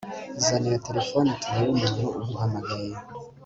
zana iyo telephone turebe umuntu uguhamagaye